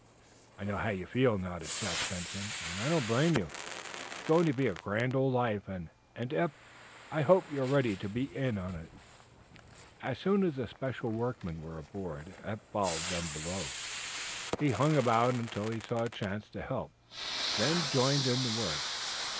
"I know how you feel," nodded Jack Benson. "And I don't blame you. It's going to be a grand old life, and, Eph, I hope you're to be in it." As soon as the special workmen were aboard Eph followed them below. He hung about until he saw a chance to help, then joined in the work.